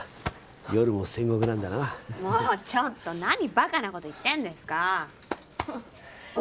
夜も戦国なんだなもうちょっと何バカなこと言ってんですか